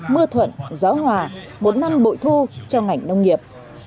mưa thuận gió hòa một năm bội thu cho ngành nông nghiệp